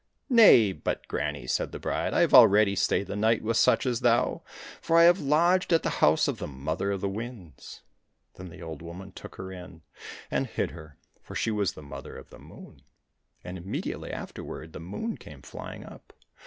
—" Nay, but, granny," said the bride, " I've already stayed the night with such as thou, for I have lodged at the house of the Mother of the Winds." — Then the old woman took her in, and hid her, for she was the Mother of the Moon. And immediately afterward the Moon came flying up.